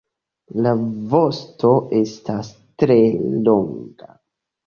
La vosto estas tre longa.